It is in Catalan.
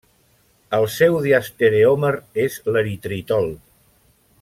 El seu diastereòmer és l'eritritol.